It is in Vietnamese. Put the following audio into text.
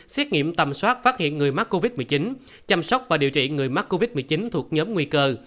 xét nghiệm tầm soát phát hiện người mắc covid một mươi chín chăm sóc và điều trị người mắc covid một mươi chín thuộc nhóm nguy cơ